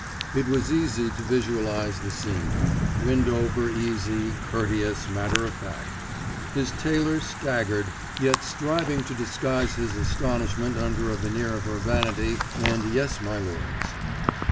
It was easy to visualise the scene. Windover easy, courteous, matter of fact. His tailor staggered, yet striving to disguise his astonishment under a veneer of urbanity and "yes my lords."